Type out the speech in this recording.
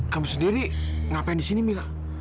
kamu sendiri ngapain di sini mila